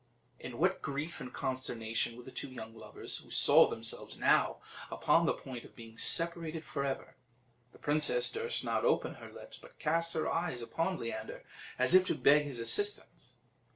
In what grief and consternation were the two young lovers, who saw themselves now upon the point of being separated for ever! The princess durst not open her lips, but cast her eyes upon Leander, as if to beg his assistance.